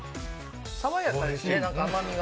爽やかですね、甘みが。